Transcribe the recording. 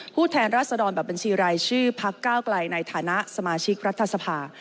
แทนราษฎรแบบบัญชีรายชื่อพักก้าวไกลในฐานะสมาชิกรัฐสภา